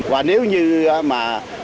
và nếu như mà